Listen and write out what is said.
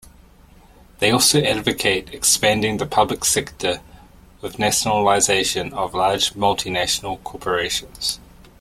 They also advocate expanding the public sector with nationalisation of large multinational corporations.